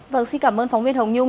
vâng xin cảm ơn phóng viên hồng nhung